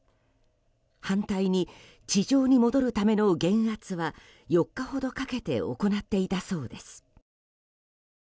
反対に地上に戻るための減圧は４日ほどかけて行っていたそうです。